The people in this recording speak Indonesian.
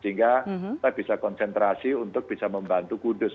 sehingga kita bisa konsentrasi untuk bisa membantu kudus